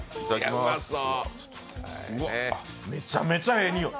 めちゃめちゃええ匂い。